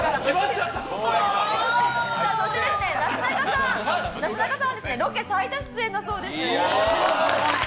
そして、なすなかさんはロケ最多出演だそうです。